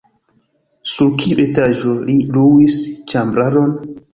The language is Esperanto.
Sur kiu etaĝo li luis ĉambraron?